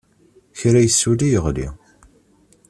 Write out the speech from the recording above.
Kra yessuli yeɣli.